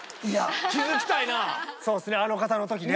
そうっすねあの方の時ね。